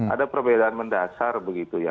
ada perbedaan mendasar begitu ya